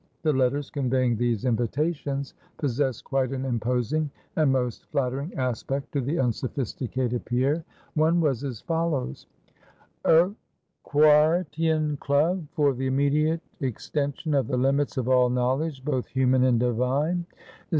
The letters conveying these invitations possessed quite an imposing and most flattering aspect to the unsophisticated Pierre. One was as follows: "_Urquhartian Club for the Immediate Extension of the Limits of all Knowledge, both Human and Divine.